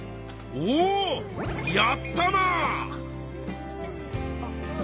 おやったな！